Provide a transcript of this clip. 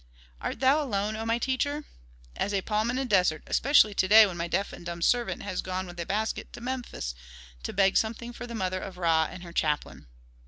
"Art thou alone, O my teacher?" "As a palm in a desert, especially to day when my deaf and dumb servant has gone with a basket to Memphis to beg something for the mother of Ra and her chaplain."